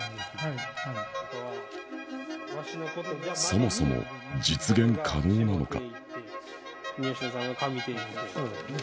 そもそも実現可能なのか？